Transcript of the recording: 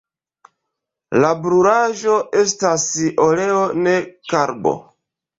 La brulaĵo estas oleo ne karbo.